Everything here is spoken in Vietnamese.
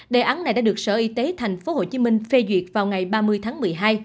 đề án này đã được sở y tế thành phố hồ chí minh phê duyệt vào ngày ba mươi tháng một mươi hai